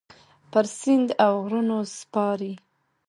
پر سیند اوغرونو سپارې